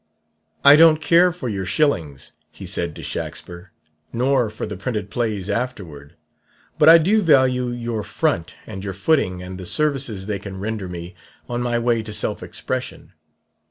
'I don't care for your shillings,' he said to Shaxper, 'nor for the printed plays afterward; but I do value your front and your footing and the services they can render me on my way to self expression.'